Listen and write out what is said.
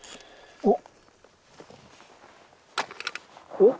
おっ？